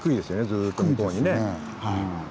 ずっと向こうにね。